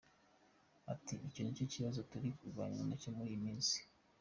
Ati” Icyo ni cyo kibazo turi kurwana nacyo muri iyi minsi.